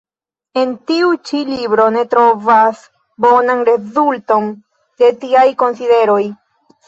En tiu ĉi libro oni trovas bonan rezulton de tiaj konsideroj.